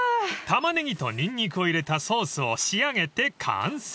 ［タマネギとニンニクを入れたソースを仕上げて完成］